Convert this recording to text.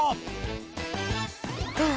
どう？